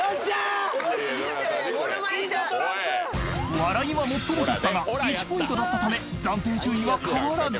［笑いは最も取ったが１ポイントだったため暫定順位は変わらず］